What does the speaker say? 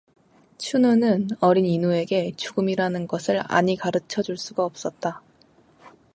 춘우는 어린 인우에게 죽음이라는 것을 아니 가르쳐 줄 수가 없었다.